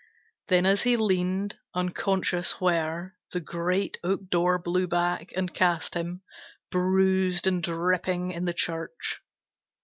Then as he leaned Unconscious where, the great oak door blew back And cast him, bruised and dripping, in the church.